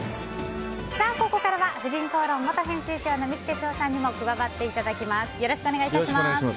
ここからは「婦人公論」元編集長の三木哲男さんにも加わっていただきます。